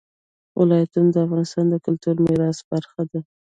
ولایتونه د افغانستان د کلتوري میراث برخه ده.